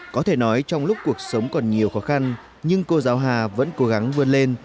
có thể nói trong lúc cuộc sống còn nhiều khó khăn nhưng cô giáo hà vẫn cố gắng vươn lên